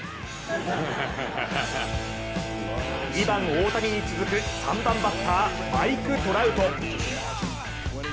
２番・大谷に続く３番バッター、マイク・トラウト。